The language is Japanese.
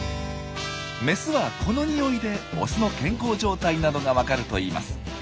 メスはこの臭いでオスの健康状態などが分かるといいます。